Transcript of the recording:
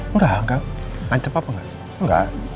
enggak enggak ngancam papa enggak enggak